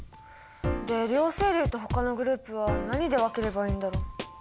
で両生類とほかのグループは何で分ければいいんだろう？